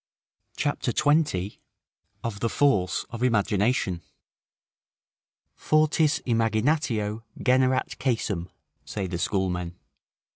CHAPTER XX OF THE FORCE OF IMAGINATION "Fortis imaginatio generat casum," say the schoolmen.